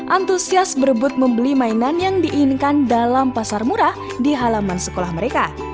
antusias berebut membeli mainan yang diinginkan dalam pasar murah di halaman sekolah mereka